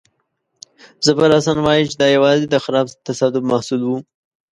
ظفرحسن وایي چې دا یوازې د خراب تصادف محصول وو.